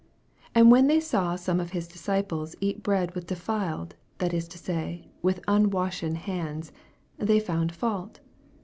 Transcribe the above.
2 And when they saw some of his disciples eat bread with defiled, that is to say, with unwashen hands, they found fault.